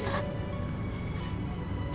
saya ingin terhindar dari fitnah rafa